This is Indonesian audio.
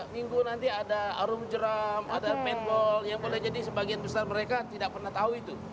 minggu nanti ada arum jeram ada penwall yang boleh jadi sebagian besar mereka tidak pernah tahu itu